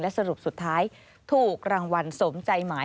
สรุปสุดท้ายถูกรางวัลสมใจหมาย